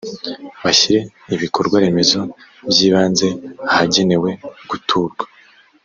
bashyire ibikorwaremezo by ibanze ahagenewe guturwa